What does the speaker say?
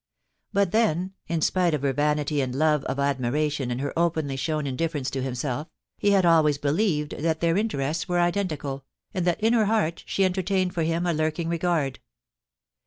But then, in spite of her vanity and love of admiration and her openly shown indifference to himself, he had always believed that their interests were identical, and that in her heart she en tertained for him a lurking regard.